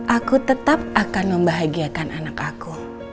aku tetap akan membahagiakan anak aku